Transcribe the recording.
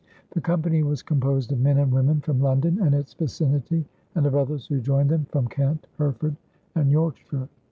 The company was composed of men and women from London and its vicinity, and of others who joined them from Kent, Hereford, and Yorkshire.